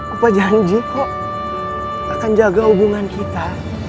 apa janji kok akan jaga hubungan kita